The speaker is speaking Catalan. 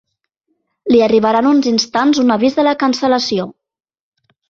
Li arribarà en uns instants un avís de la cancel·lació.